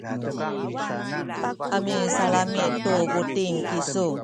a misalami’ tu buting kisu.